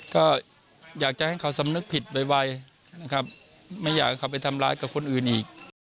ก็อยากจะให้เขาสำนึกผิดไวนะครับไม่อยากให้เขาไปทำร้ายกับคนอื่นอีก